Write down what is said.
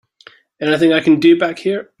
Anything I can do back here?